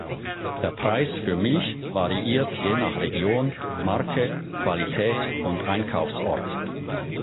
Der Preis für Milch variiert je nach Region, Marke, Qualität und Einkaufsort.